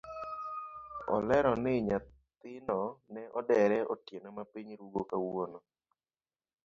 Olero ni nyathino ne odere otieno mapiny rugo kawuono.